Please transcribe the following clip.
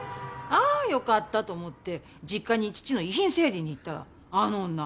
あーよかったと思って実家に父の遺品整理に行ったらあの女